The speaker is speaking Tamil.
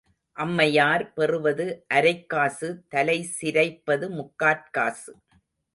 அம்மையார் பெறுவது அரைக்காசு, தலை சிரைப்பது முக்காற் காசு.